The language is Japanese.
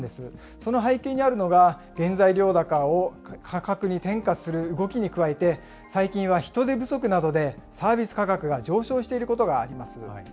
その背景にあるのが、原材料高を価格に転嫁する動きに加えて、最近は、人手不足などでサービス価格が上昇していることがあります。